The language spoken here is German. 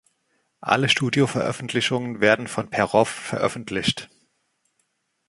Alle Studio-Veröffentlichungen werden von Perov veröffentlicht.